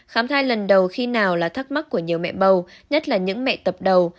khám thai lần đầu khi nào là thắc mắc của nhiều mẹ bầu nhất là những mẹ tập đầu